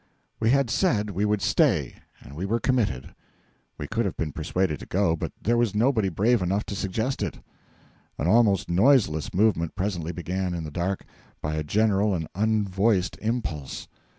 We had said we would stay, and we were committed. We could have been persuaded to go, but there was nobody brave enough to suggest it. An almost noiseless movement presently began in the dark, by a general and unvoiced impulse.